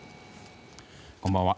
こんばんは。